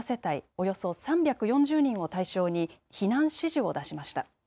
およそ３４０人を対象に避難指示を出しました。